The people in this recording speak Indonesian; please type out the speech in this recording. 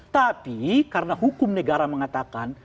tapi karena hukum negara mengatakan